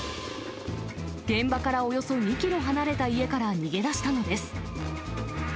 現場からおよそ２キロ離れた家から逃げ出したのです。